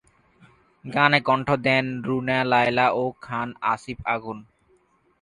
গানে কণ্ঠ দেন রুনা লায়লা ও খান আসিফ আগুন।